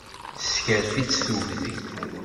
Tessekref-it tugdi.